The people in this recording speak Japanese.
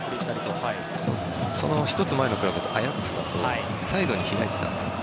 その１つ前のクラブアヤックスだとサイドに開いてたんですよね。